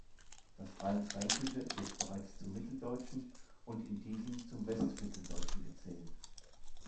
Das Rheinfränkische wird bereits zum Mitteldeutschen und in diesem zum Westmitteldeutschen gezählt.